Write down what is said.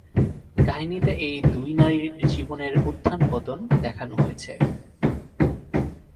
কাহিনীতে এই দুই নারীর জীবনের উত্থান-পতন দেখানো হয়েছে।।